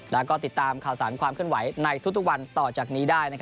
และติดตามข่าวสารเรื่องความขึ้นไหวในทุกวันต่อจากนี้ได้